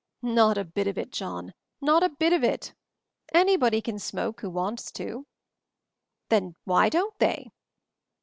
"Not a bit of it, John — not a bit of it. Anybody can smoke who wants to." "Then why don't they?"